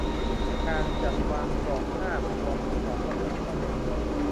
การจัดวางกรอบภาพรวมของระบบข้อมูล